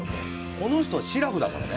この人はしらふだからね。